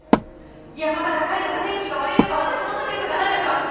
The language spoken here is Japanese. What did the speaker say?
山が高いのか天気が悪いのか私の体力がないのか。